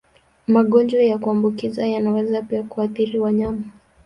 Magonjwa ya kuambukiza yanaweza pia kuathiri wanyama.